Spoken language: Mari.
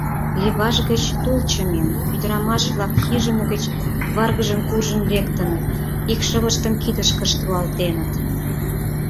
Леваш гыч тул чымен, ӱдырамаш-влак хижине гыч варгыжын куржын лектыныт, икшывыштым кидышкышт руалтеныт.